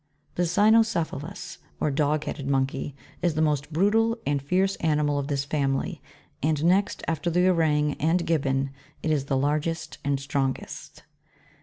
19. TheCvNOCEPHALUs, (Plate 1. Jig. 7.) or dog head monkey, is the most brutal and fierce animal of this family, and next after the Ourang and Gibbon, it is the largest and strongest.